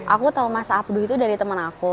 aku tahu masa abduh itu dari temen aku